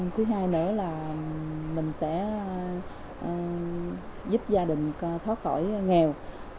thứ hai nữa là mình sẽ giúp gia đình thoát khỏi nghèo